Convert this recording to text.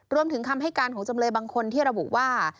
รวมถึงคำให้การของจำเลยบางคนที่ระบุว่า